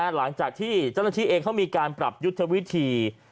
หลังจากที่เจ้าหน้าที่เองเขามีการปรับยุทธวิธี